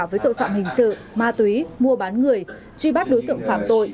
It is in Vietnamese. với tội phạm hình sự ma túy mua bán người truy bắt đối tượng phạm tội